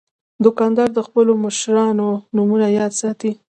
دوکاندار د خپلو مشتریانو نومونه یاد ساتي.